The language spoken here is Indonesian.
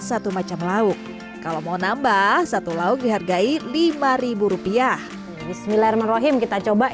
satu macam lauk kalau mau nambah satu lauk dihargai lima rupiah bismillahirrohmanirrohim